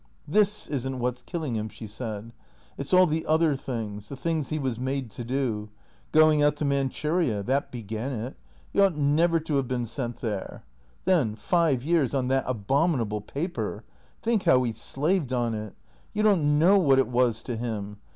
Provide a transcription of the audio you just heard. " This is n't what 's killing him," she said. " It 's all the other things, the things he was made to do. Going out to Man churia — that began it. He ought never to have been sent there. Then — five years on that abominable paper. Think how he slaved on it. You don't know what it was to him.